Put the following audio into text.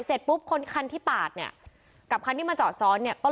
เสร็จปุ๊บคนคันที่ปาดกับคันนึงมาจอดซ้อนก็ลงจากรถ